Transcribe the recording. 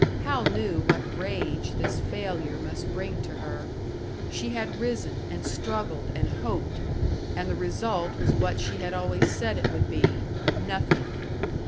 Hal knew what rage this failure must bring to her. She had risen and struggled and hoped, and the result was what she had always said it would be nothing!